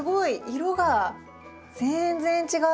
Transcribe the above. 色が全然違う。